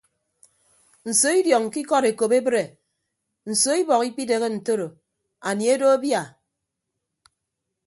Nso idiọñ ke ikọd ekop ebre nso ibọk ikpidehe ntoro anie edo abia.